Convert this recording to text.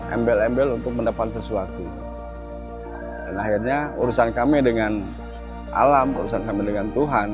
embel embel untuk mendapat sesuatu dan akhirnya urusan kami dengan alam urusan kami dengan tuhan